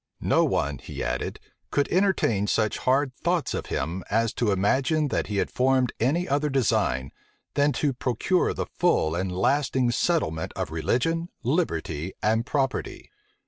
No one, he added, could entertain such hard thoughts of him as to imagine, that he had formed any other design than to procure the full and lasting settlement of religion, liberty, and property.